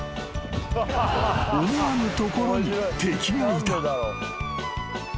［思わぬところに敵がいた］